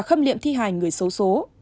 khâm liệm thi hài người xấu xố